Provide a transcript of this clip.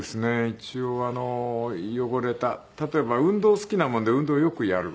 一応汚れた例えば運動好きなもんで運動をよくやる。